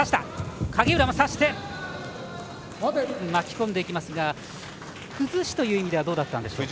巻き込んでいきますが崩しという意味ではどうだったんでしょう。